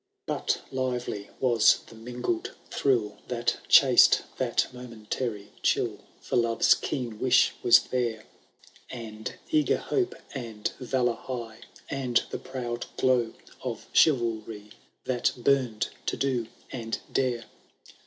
VII. But liyely waa the mingled thrill That chased that momentary chill. For Lore*8 keen wish was there, And eager Hope, and Valour high. And the proud glow of Chivalry, That bum*d to do and dare.